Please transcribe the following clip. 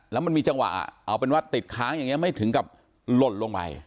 แล้วมันมีจังหวะเอาเป็นว่าติดค้างอย่างนี้ไม่ถึงกับหล่นลงไป